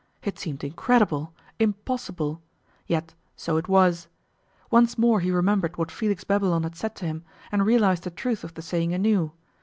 It seemed incredible, impossible; yet so it was. Once more he remembered what Felix Babylon had said to him and realized the truth of the saying anew.